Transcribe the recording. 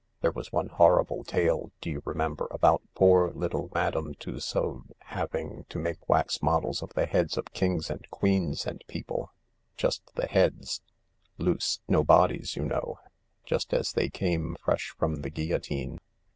There was one horrible tale, do you remember, about poor little Madame Tussaud having to make wax models of the heads of kings and queens and people — just the heads — loose — no bodies you know — just as they came fresh from the guillotine